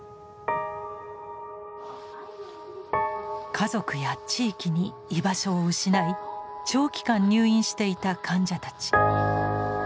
家族や地域に居場所を失い長期間入院していた患者たち。